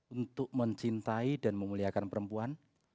untuk mencintai dan memuliakan perempuan